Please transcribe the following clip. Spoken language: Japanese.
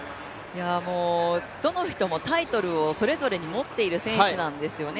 どの人もタイトルをそれぞれに持っている選手なんですよね。